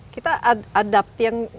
kita adaptif ya